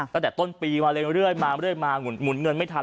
ตั้งแต่ต้นปีมาเรื่อยมาเรื่อยมาหมุนเงินไม่ทัน